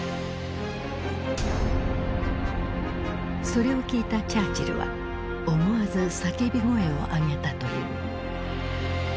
それを聞いたチャーチルは思わず叫び声を上げたという。